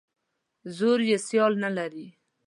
زور یې سیال نه لري.